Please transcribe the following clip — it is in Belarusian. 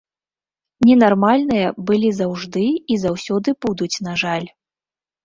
Ненармальныя былі заўжды і заўсёды будуць, на жаль.